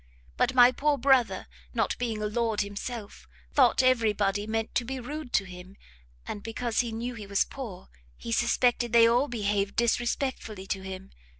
But my poor brother, not being a lord himself, thought every body meant to be rude to him, and because he knew he was poor, he suspected they all behaved disrespectfully to him.